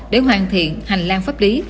để hoàn thiện hành lang pháp lý